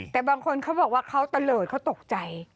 แต่บางคนเขาบอกว่าเขาตะเลิศเขาตกใจ